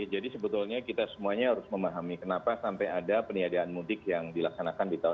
jadi sebetulnya kita semuanya harus memahami kenapa sampai ada peniadaan mudik yang dilaksanakan di tahun dua ribu dua puluh